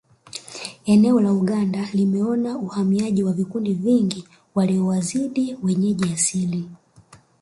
Eneo la Uganda limeona uhamiaji wa vikundi vingi waliowazidi wenyeji asili